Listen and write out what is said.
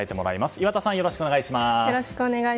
岩田さん、よろしくお願いします。